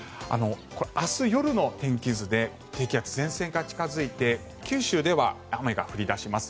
明日夜の天気図で低気圧、前線が近付いて九州では雨が降り出します。